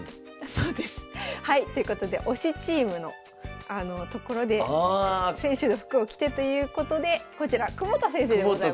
そうです。ということで推しチームのところで選手の服を着てということでこちら窪田先生でございます。